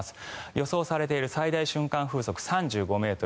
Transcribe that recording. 予想されている最大瞬間風速３５ｍ。